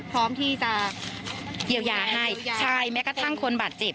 พร้อมที่จะเยียวยาให้ใช่แม้กระทั่งคนบาดเจ็บ